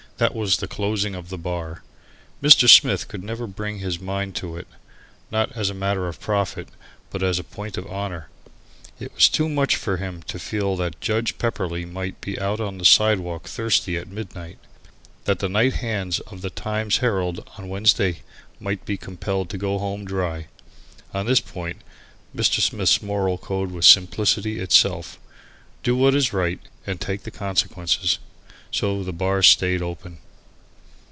That was the closing of the bar. Mr. Smith could never bring his mind to it, not as a matter of profit, but as a point of honour. It was too much for him to feel that Judge Pepperleigh might be out on the sidewalk thirsty at midnight, that the night hands of the Times Herald on Wednesday might be compelled to go home dry. On this point Mr. Smith's moral code was simplicity itself, do what is right and take the consequences. So the bar stayed open.